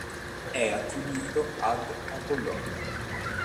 È attribuito ad Apollonio.